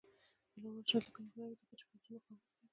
د علامه رشاد لیکنی هنر مهم دی ځکه چې فکري مقاومت کوي.